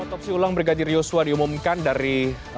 otopsi ulang brigadir yosua diumumkan dari